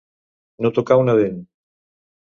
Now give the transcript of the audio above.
No tocar una dent.